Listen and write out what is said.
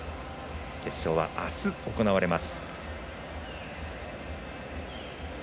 決勝はあす行われます。